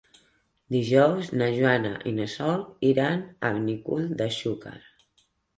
Dijous na Joana i na Sol iran a Benicull de Xúquer.